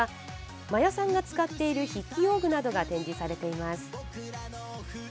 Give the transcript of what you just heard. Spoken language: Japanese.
魔夜さんが使っている筆記用具などが展示されています。